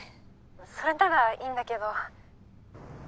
それならいいんだけど。